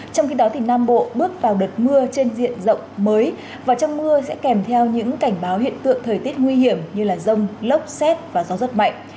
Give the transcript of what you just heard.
trong khi đó nam bộ bước vào đợt mưa trên diện rộng mới và trong mưa sẽ kèm theo những cảnh báo hiện tượng thời tiết nguy hiểm như rông lốc xét và gió rất mạnh